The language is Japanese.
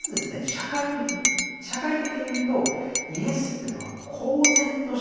社会的に社会的に言うとイエスというのは公然として律法を破るわけです。